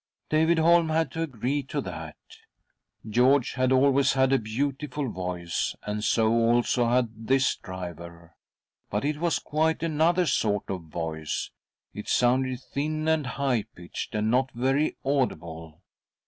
David Holm had to agree to that. George had always had a beautiful voice, and so, also, had this driver ; but it was quite another sort of voice: It sounded thin and high pitched, and not very audible.